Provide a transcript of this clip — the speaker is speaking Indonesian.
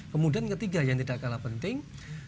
kemudian ketiga yang tidak kalah penting